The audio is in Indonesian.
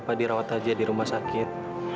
mengambil dirawat saja di rumah sakit